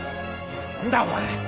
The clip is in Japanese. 何だお前？